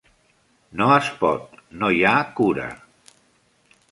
No es pot, no hi ha cura.